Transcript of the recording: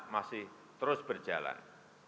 masih terus berjalan